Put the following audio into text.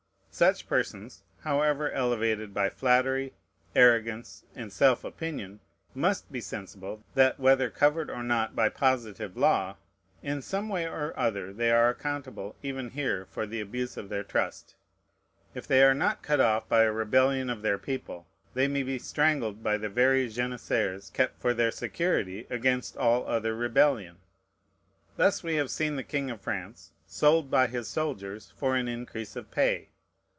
Such persons, however elevated by flattery, arrogance, and self opinion, must be sensible, that, whether covered or not by positive law, in some way or other they are accountable even here for the abuse of their trust. If they are not cut off by a rebellion of their people, they may be strangled by the very janissaries kept for their security against all other rebellion. Thus we have seen the king of France sold by his soldiers for an increase of pay.